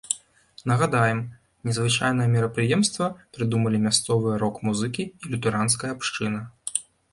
Нагадаем, незвычайнае мерапрыемства прыдумалі мясцовыя рок-музыкі і лютэранская абшчына.